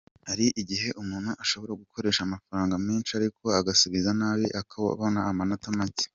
Hari igiye umuntu ashobora gukoresha amafaranga menshi ariko agasubiza nabi akabona amanota make.